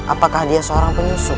apakah dia seorang penyusup